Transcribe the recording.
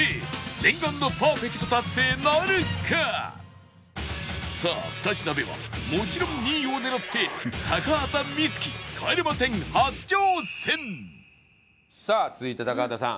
念願のさあ２品目はもちろん２位を狙って高畑充希帰れま１０初挑戦さあ続いて高畑さん。